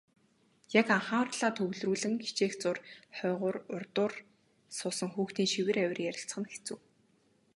Яг анхаарлаа төвлөрүүлэн хичээх зуур хойгуур урдуур суусан хүүхдийн шивэр авир ярилцах нь хэцүү.